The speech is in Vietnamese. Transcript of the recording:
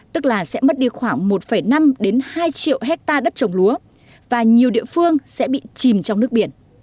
tức là sẽ mất đi khoảng một năm hai triệu hectare đất trồng lúa và nhiều địa phương sẽ bị chìm trong nước biển